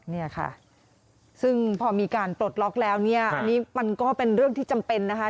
เนี่ยค่ะซึ่งพอมีการปลดล็อกแล้วเนี่ยอันนี้มันก็เป็นเรื่องที่จำเป็นนะคะ